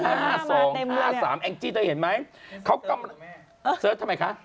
ห้าสองห้าสามแอ้งจิเธอเห็นไหมเขากำลังอ้าวสิเซิร์ชทำไมคะ